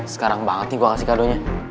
sekarang banget nih gue kasih kadonya